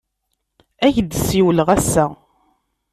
Ad ak-d-siwleɣ ass-a.